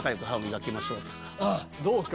どうですか？